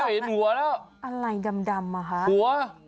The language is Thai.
เห็นอะไรดำอะคะหัว